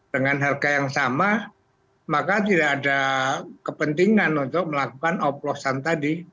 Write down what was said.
dengan harga yang sama maka tidak ada kepentingan untuk melakukan oplosan tadi